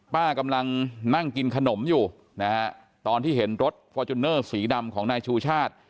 กำลังนั่งกินขนมอยู่นะฮะตอนที่เห็นรถฟอร์จูเนอร์สีดำของนายชูชาติ